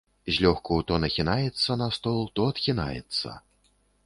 Злёгку то нахінаецца на стол, то адхінаецца.